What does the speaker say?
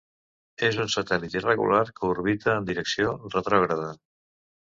És un satèl·lit irregular que orbita en direcció retrògrada.